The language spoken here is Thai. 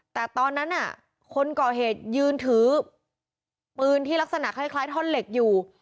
แต่ตอนนั้นคนก่อเหตุยืนถือปืนที่ลักษณะคล้ายท่อนเหล็กอยู่